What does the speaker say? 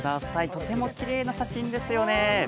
とてもきれいな写真ですよね。